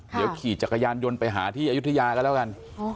เดี๋ยวขี่จักรยานยนต์ไปหาที่อายุทยากันแล้วกัน